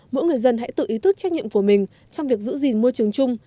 mỗi người dân hãy tự ý thức trách nhiệm của mình trong việc giữ gìn môi trường chung